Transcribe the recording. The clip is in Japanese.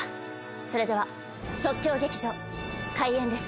それでは即興劇場開演です。